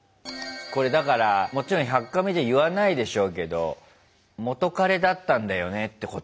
これだからもちろん「１００カメ」で言わないでしょうけど元カレだったんだよねってこともあるだろうな。